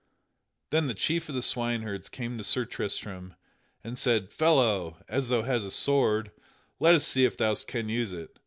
Then the chief of the swineherds came to Sir Tristram, and said: "Fellow, as thou hast a sword, let us see if thou canst use it.